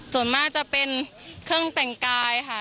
ส่วนมากจะเป็นเครื่องแต่งกายค่ะ